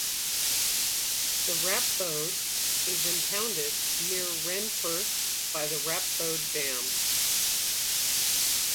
The Rappbode is impounded near Wendefurth by the Rappbode Dam.